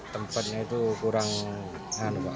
tempatnya itu kurang nggak cukup lah tempatnya